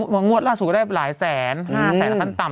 มันงวดล่าสุดได้หลายแสนห้าแสนละครั้งต่ำนะ